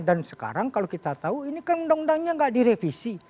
dan sekarang kalau kita tahu ini kan undang undangnya tidak direvisi